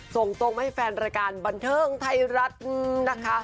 ส่งตรงมาให้แฟนรายการบันเทิงไทยรัฐนะคะ